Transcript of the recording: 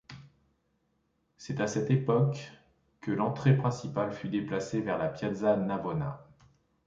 C'est à cette époque que l'entrée principale fut déplacée vers la piazza Navona.